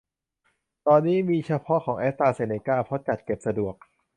ตอนนี้มีเฉพาะของแอสตาเซเนก้า เพราะจัดเก็บสะดวก